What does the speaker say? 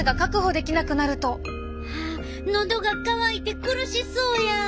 あっのどが渇いて苦しそうや！